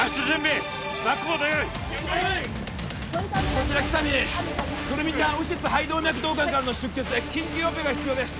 こちら喜多見胡桃ちゃん右室肺動脈導管からの出血で緊急オペが必要です